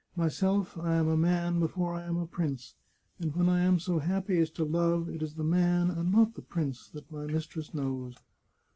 Myself, I am a man before I am a prince, and when I am so happy as to love, it is the man, and not the prince, that my mistress knows."